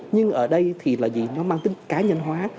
nhưng ở đây thì là gì nó mang tính cá nhân hóa